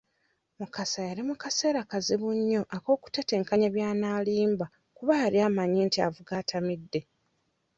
Mukasa yali mu kaseera kazibu nnyo ak'okutetenkanya by'anaalimba kuba yali amanyi nti avuga atamidde.